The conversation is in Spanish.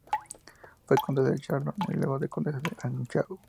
Fue condesa de Chalon y luego condesa de Anjou.